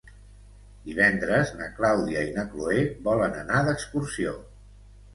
Divendres na Clàudia i na Cloè volen anar d'excursió.